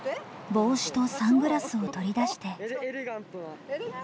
帽子とサングラスを取り出して。